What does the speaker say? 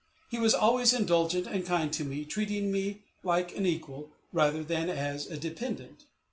He was always indulgent and kind to me, treating me like an equal, rather than as a dependent.